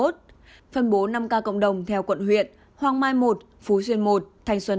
phân bố năm ca cộng đồng theo quận huyện hoàng mai một phú xuyên một thanh xuân ba